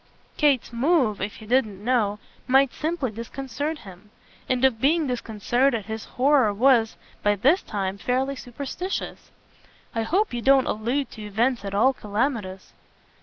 Kate's move, if he didn't know, might simply disconcert him; and of being disconcerted his horror was by this time fairly superstitious. "I hope you don't allude to events at all calamitous."